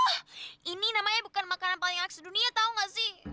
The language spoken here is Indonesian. hoh ini namanya bukan makanan paling enak sedunia tau gak sih